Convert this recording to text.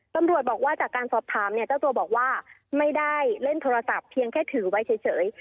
ตำรวจบอกว่าจากการสอบถามเนี่ยเจ้าตัวบอกว่าไม่ได้เล่นโทรศัพท์เพียงแค่ถือไว้เฉย